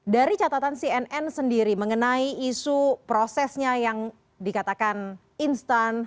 dari catatan cnn sendiri mengenai isu prosesnya yang dikatakan instan